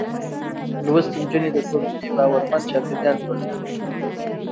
لوستې نجونې د ټولنې باورمن چاپېريال جوړوي.